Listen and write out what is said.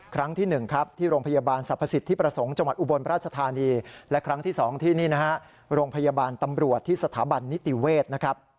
ครั้งที่๑ครับที่โรงพยาบาลสรรพสิทธิประสงค์จังหวัดอุบลราชธานีและครั้งที่๒ที่นี่นะฮะโรงพยาบาลตำรวจที่สถาบันนิติเวศนะครับ